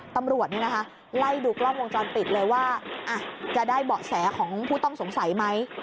ตำรวจไล่ดูกล้องวงจรปิดเลยว่าจะได้เบาะแสของผู้ต้องสงสัยไหม